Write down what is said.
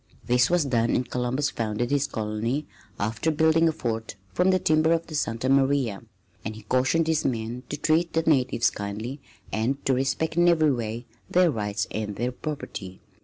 This was done and Columbus founded his colony after building a fort from the timbers of the Santa Maria; and he cautioned his men to treat the natives kindly and to respect in every way their rights and their property.